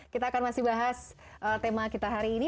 kita akan masih bahas tema kita hari ini